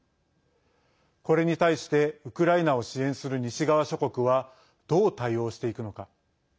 これに対してウクライナを支援する西側諸国はどう対応していくのか。